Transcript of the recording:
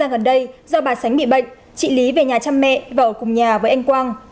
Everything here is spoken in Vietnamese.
gần đây do bà sánh bị bệnh chị lý về nhà chăm mẹ và ở cùng nhà với anh quang